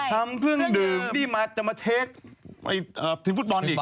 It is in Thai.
ทำเครื่องดื่มนี่มาจะมาเช็คทีมฟุตบอลอีก